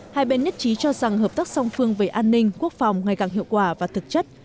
hai bên nhất trí cho rằng hợp tác song phương về an ninh quốc phòng ngày càng hiệu quả và thực chất